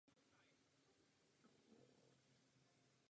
Proto mějme raději více.